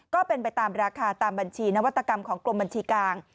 ก็เป็นไปตามราคาตามบัญชีนวัตกรรมของกรมบัญชีกลาง